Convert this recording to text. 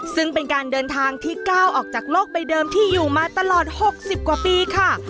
ซึ่งเป็นการเดินทางที่ก้าวออกจากโลกใบเดิมที่อยู่มาตลอด๖๐กว่าปีค่ะ